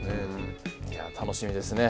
いや楽しみですね。